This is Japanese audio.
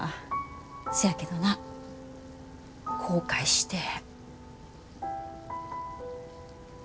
せやけどな後悔してへん。